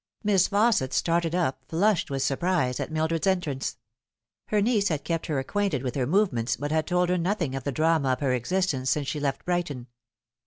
Miss Fausset started up, flushed with surprise, at Mildred's entrance. Her niece had kept her acquainted with her move ments, but had told her nothing of the drama of her existence since she left Brighton.